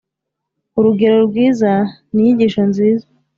urugero rwiza ni inyigisho nziza